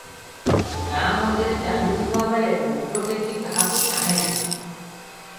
ଗାଁ’ ମଝିରେ ଚାଲିଯିବା ବେଳେ ମୁଣ୍ଡ ଟେକି କାହାକୁ ଚାହେଁ ନାହିଁ ।